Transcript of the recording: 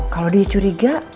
kalau dia curiga